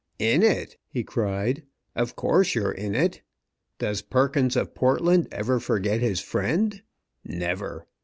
"In it?" he cried. "Of course, you're in it! Does Perkins of Portland ever forget his friend? Never!